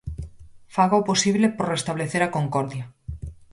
Faga o posible por restablecer a concordia.